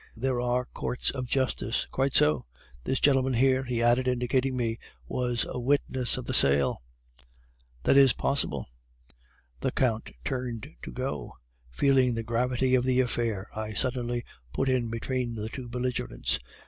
'There are courts of justice.' "'Quite so.' "'This gentleman here,' he added, indicating me, 'was a witness of the sale.' "'That is possible.' "The Count turned to go. Feeling the gravity of the affair, I suddenly put in between the two belligerents.